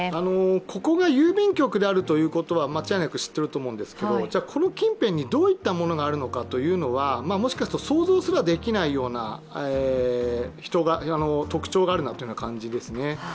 ここが郵便局であるということは間違いなく知っていると思うんですけれども、じゃこの近辺にどういったものがあるのかということはもしかすると、想像すらできないような特徴があるという感じですね。